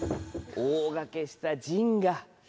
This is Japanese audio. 大賭けした陣が。